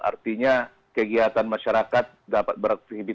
artinya kegiatan masyarakat dapat beraktivitas